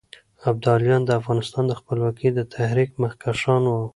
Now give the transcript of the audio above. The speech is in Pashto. ابداليان د افغانستان د خپلواکۍ د تحريک مخکښان وو.